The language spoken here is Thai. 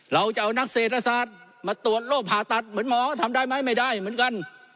เราจะเอานักเศรษฐศาสตร์มาตรวจโรคผ่าตัดเหมือนหมอทำได้ไหมไม่ได้เหมือนกัน